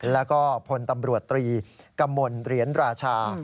แล้วก็พลตำรวจตรีกมลเหรียญราชา